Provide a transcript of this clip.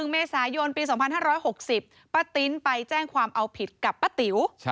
๑เมษายนปี๒๕๖๐ป้าติ๊นไปแจ้งความเอาผิดกับป้าติ๋ว